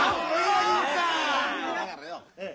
だからよ